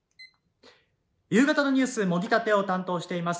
夕方のニュース「もぎたて！」を担当しています